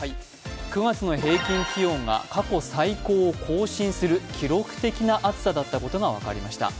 ９月の平均気温が過去最高を更新する記録的な暑さだったことが分かりました。